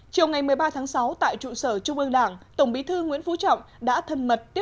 chiều ngày một mươi ba tháng sáu tại trụ sở trung ương đảng tổng bí thư nguyễn phú trọng đã thân mật tiếp